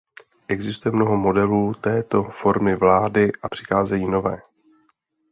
Existuje mnoho modelů této formy vlády a přicházejí nové.